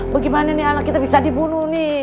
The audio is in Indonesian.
bagaimana anak kita bisa dibunuh